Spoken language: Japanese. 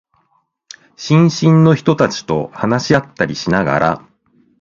新進の人たちと話し合ったりしながら、